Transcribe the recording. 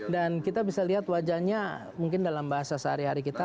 dan kita bisa lihat wajahnya mungkin dalam bahasa sehari hari kita